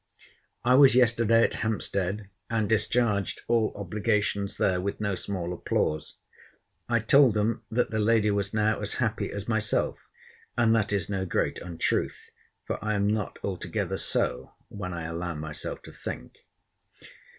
I was yesterday at Hampstead, and discharged all obligations there, with no small applause. I told them that the lady was now as happy as myself: and that is no great untruth; for I am not altogether so, when I allow myself to think.